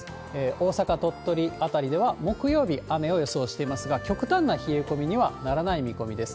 大阪、鳥取辺りでは、木曜日、雨を予想していますが、極端な冷え込みにはならない見込みです。